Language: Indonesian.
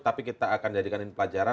tapi kita akan jadikan ini pelajaran